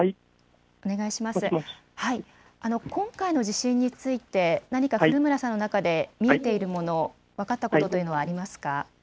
今回の地震について何か古村さんの中で見えているもの、分かったことというのはありますか。